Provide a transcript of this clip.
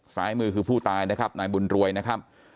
ซ้ายมือคือผู้ตายนะครับนายบุญรวยนะครับ